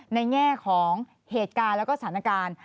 แง่ของเหตุการณ์แล้วก็สถานการณ์